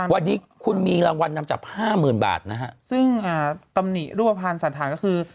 วันนี้คุณมีรางวัลนำจับห้าหมื่นบาทนะฮะซึ่งอ่าตำหนิรูปภัณฑ์สันธารก็คือ